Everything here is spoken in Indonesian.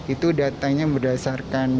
itu datanya berdasarkan